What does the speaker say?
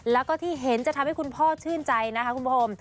แล้วก็ที่เห็นจะทำให้คุณพ่อชื่นใจนะคะคุณผู้ชม